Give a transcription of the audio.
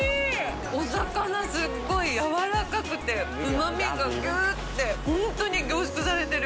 お魚、すっごいやわらかくて、うまみがぎゅうって本当に凝縮されてる。